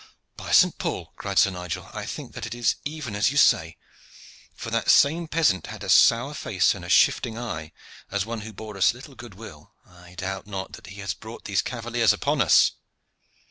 "By St. Paul!" cried Sir Nigel, "I think that it is even as you say, for that same peasant had a sour face and a shifting eye, as one who bore us little good will. I doubt not that he has brought these cavaliers upon us."